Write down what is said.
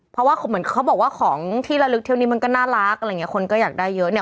เพราะว่าเหมือนเขาบอกว่าของที่ระลึกเที่ยวนี้มันก็น่ารักอะไรอย่างเงี้คนก็อยากได้เยอะเนี่ย